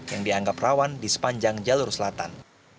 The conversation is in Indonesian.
yang dianggap rawan di sepanjang jalur selatan